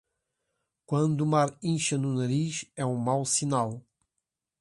Quando o mar incha no nariz, é um mau sinal.